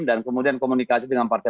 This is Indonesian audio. dan kemudian komunikasi dengan partai